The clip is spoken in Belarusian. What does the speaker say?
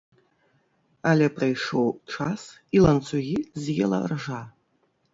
Але прыйшоў час, і ланцугі з'ела ржа.